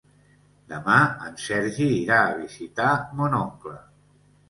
Demà en Sergi irà a visitar mon oncle.